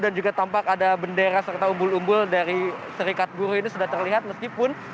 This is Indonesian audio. dan juga tampak ada bendera serta umbul umbul dari serikat buruh ini sudah terlihat meskipun